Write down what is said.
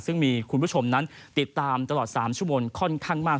ซึ่งมีคุณผู้ชมนั้นติดตามตลอด๓ชั่วโมงค่อนข้างมาก